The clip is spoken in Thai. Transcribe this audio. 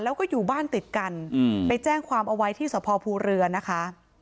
แล้วก็อยู่บ้านติดกันไปแจ้งความเอาไว้ที่สภภูเรือนะคะ